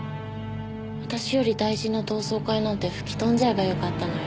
私より大事な同窓会なんて吹き飛んじゃえばよかったのよ。